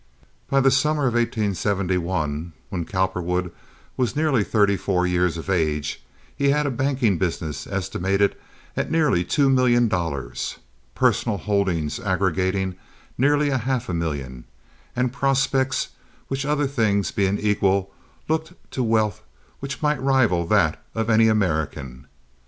By the summer of 1871, when Cowperwood was nearly thirty four years of age, he had a banking business estimated at nearly two million dollars, personal holdings aggregating nearly half a million, and prospects which other things being equal looked to wealth which might rival that of any American.